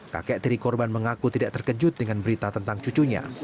kakek tiri korban mengaku tidak terkejut dengan berita tentang cucunya